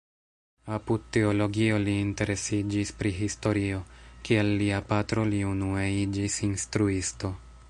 Apud teologio li interesiĝis pri historio; kiel lia patro li unue iĝis instruisto.